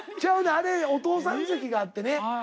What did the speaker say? あれお父さん席があってね